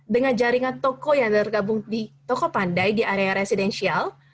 dengan jaringan toko yang tergabung di toko pandai di area residensial